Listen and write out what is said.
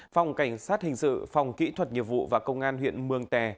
phòng cảnh sát hình sự phòng kỹ thuật nghiệp vụ và công an huyện mường tè